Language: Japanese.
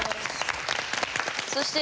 そして。